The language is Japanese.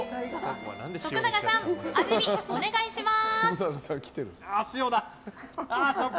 徳永さん、味見お願いします。